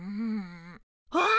あっ！